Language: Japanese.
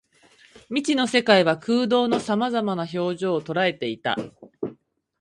未知の世界は空洞の様々な表情を捉えていた